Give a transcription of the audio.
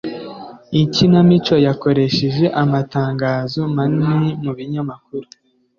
Ikinamico yakoresheje amatangazo manini mu binyamakuru.